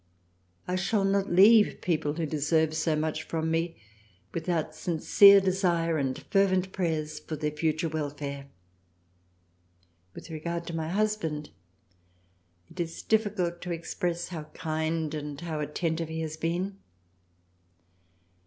I shall not leave People who deserve so much from me without sincere Desire and fervent Prayers for their future welfare. With regard to my \^ Husband, it is difficult to express how kind and how attentive he has been.